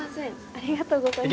ありがとうございます。